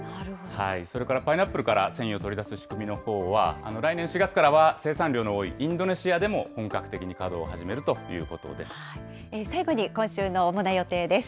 それからパイナップルから繊維を取り出す仕組みのほうは、来年４月からは生産量の多いインドネシアでも本格的に稼働を始めるとい最後に今週の主な予定です。